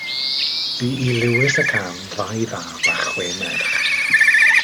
Bu i Lewis ac Anne ddau fab a chwe merch.